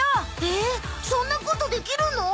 えっそんなことできるの？